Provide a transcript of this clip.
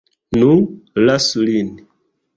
Nu, lasu lin.